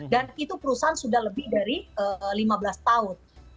dan itu perusahaan sudah lebih dari lima belas tahun